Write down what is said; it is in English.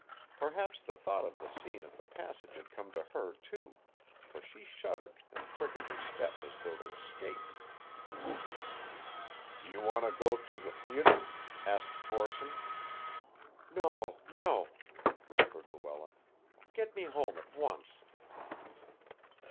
Perhaps the thought of the scene of the passage had come to her, too, for she shuddered and quickened her step as though to escape. "Do you want to go through the theater?" asked Corson. "No no," whispered Luella, "get me home at once."